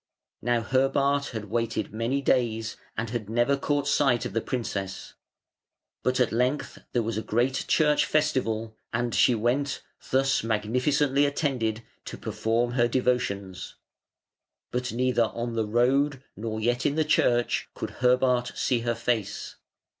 Now Herbart had waited many days, and had never caught sight of the princess; but at length there was a great church festival, and she went, thus magnificently attended, to perform her devotions. But neither on the road nor yet in the church could Herbart see her face.